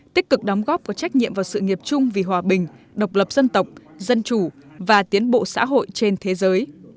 tích cực đóng góp có trách nhiệm vào sự nghiệp chung vì hòa bình độc lập dân tộc dân chủ và tiến bộ xã hội trên thế giới